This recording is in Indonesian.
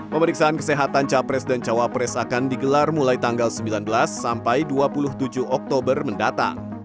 pemeriksaan kesehatan capres dan cawapres akan digelar mulai tanggal sembilan belas sampai dua puluh tujuh oktober mendatang